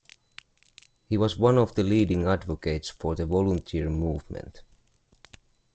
He was one of the leading advocates for the volunteer movement.